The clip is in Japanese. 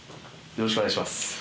よろしくお願いします。